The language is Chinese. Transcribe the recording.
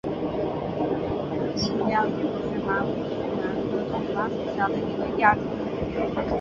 新疆异株荨麻为荨麻科荨麻属下的一个亚种。